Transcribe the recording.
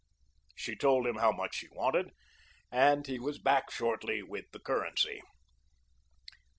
She told him how much she wanted, and he was back shortly with the currency.